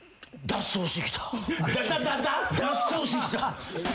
「脱走してきた」